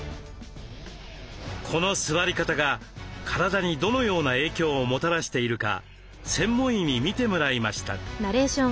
この座り方が体にどのような影響をもたらしているか専門医に診てもらいました。